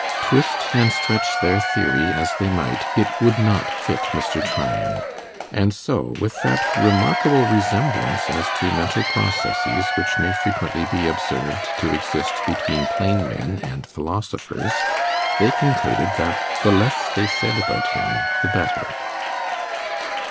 Twist and stretch their theory as they might, it would not fit Mr. Tryan; and so, with that remarkable resemblance as to mental processes which may frequently be observed to exist between plain men and philosophers, they concluded that the less they said about him the better.